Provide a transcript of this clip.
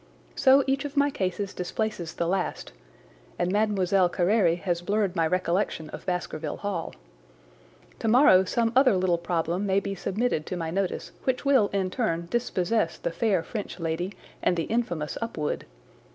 So each of my cases displaces the last, and Mlle. Carére has blurred my recollection of Baskerville Hall. Tomorrow some other little problem may be submitted to my notice which will in turn dispossess the fair French lady and the infamous Upwood.